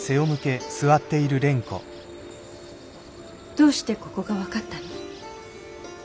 どうしてここが分かったの？